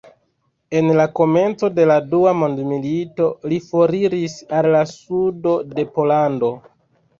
En la komenco de la Dua mondmilito li foriris al la sudo de Pollando.